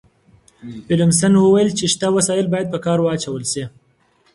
ويلم سن وويل چي شته وسايل بايد په کار واچول سي.